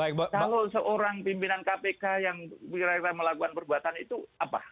kalau seorang pimpinan kpk yang melakukan perbuatan itu apa